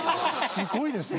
すごいですね。